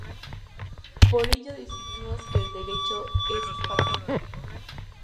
Por ello decimos que el derecho es fáctico.